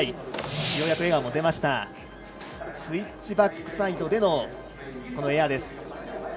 スイッチバックサイドでのエアです。